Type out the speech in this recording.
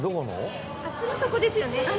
すぐそこですよね。